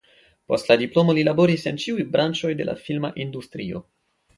Post la diplomo li laboris en ĉiuj branĉoj de la filma industrio.